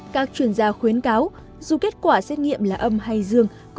các chuyên gia khuyến cáo dù kết quả xét nghiệm là âm hay dương